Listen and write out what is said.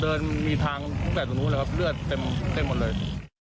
เดินมีทางตรงนู้นเลยครับเลือดเต็มหมดเลย